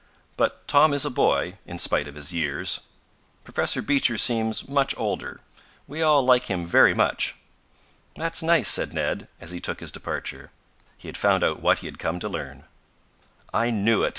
But Tom is a boy, in spite of his years. Professor Beecher seems much older. We all like him very much." "That's nice," said Ned, as he took his departure. He had found out what he had come to learn. "I knew it!"